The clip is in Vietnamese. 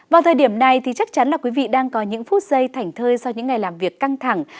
vào thời điểm này thì chắc chắn là quý vị đang có những phút giây thảnh thơi sau những ngày làm việc căng thẳng